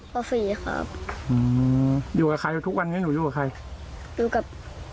สี่ครับอืมอยู่กับใครอยู่ทุกวันนี้หนูอยู่กับใครอยู่กับ